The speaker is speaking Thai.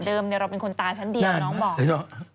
เดิมนี่เราเป็นคนตาชั้นเดียวน้องบอก